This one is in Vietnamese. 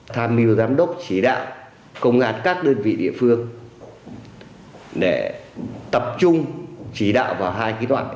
tham mưu giám đốc chỉ đạo công an các đơn vị địa phương để tập trung chỉ đạo vào hai đoạn